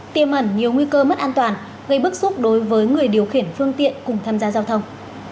tiêm ẩn nhiều nguy cơ mất an toàn gây bức xúc đối với người điều khiển phương tiện cùng tham gia giao thông